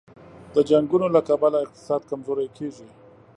د جنګونو له کبله اقتصاد کمزوری کېږي.